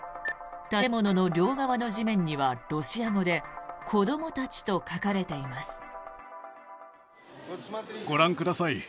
建物の両側の地面にはロシア語で「子どもたち」と書かれています。